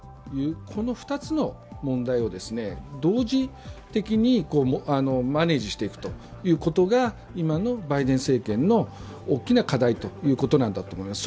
この２つの問題を同時的にマネージしていくということが今のバイデン政権の大きな課題ということなんだと思います。